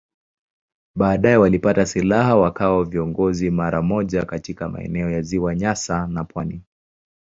Baadaye walipata silaha wakawa viongozi mara moja katika maeneo ya Ziwa Nyasa na pwani.